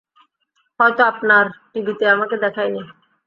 হয়তো আপনার টিভিতে আমাকে দেখায়নি।